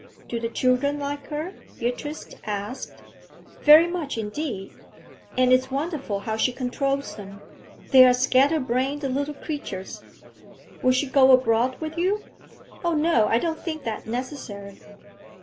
'Do the children like her?' Beatrice asked. 'Very much indeed. And it's wonderful how she controls them; they are scatter brained little creatures.' 'Will she go abroad with you?' 'Oh, no, I don't think that necessary.'